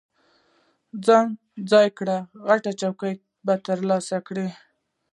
ځان ځای کړه، غټه چوکۍ به ترلاسه کړې.